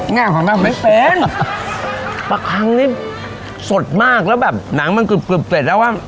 ง่าของเราไม่เป็นปลาคังนี่สดมากแล้วแบบหนังมันกึบกึบเสร็จแล้วอ่ะ